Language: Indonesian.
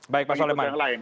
baik pak soleman